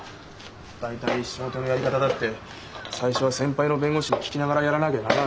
大体仕事のやり方だって最初は先輩の弁護士に聞きながらやらなきゃ駄目なんだ。